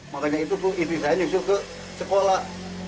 makanya itu bu istri saya nyusul ke sekolah